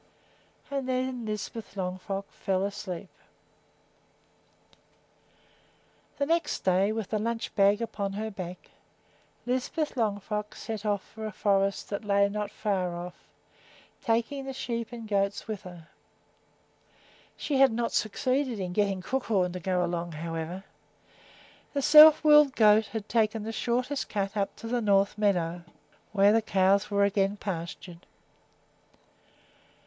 And then Lisbeth Longfrock fell asleep. The next day, with the lunch bag upon her back, Lisbeth Longfrock set out for a forest that lay not far off, taking the sheep and goats with her. She had not succeeded in getting Crookhorn to go along, however. The self willed goat had taken the shortest cut up to the north meadow, where the cows were again pastured.